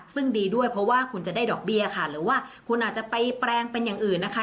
ซึ่งดีด้วยเพราะว่าคุณจะได้ดอกเบี้ยค่ะหรือว่าคุณอาจจะไปแปลงเป็นอย่างอื่นนะคะ